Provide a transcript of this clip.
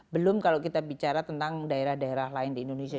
belum kalau kita bicara tentang daerah daerah lain di indonesia